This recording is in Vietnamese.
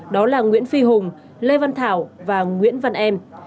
đó là nguyễn phi hùng lê văn thảo và nguyễn văn em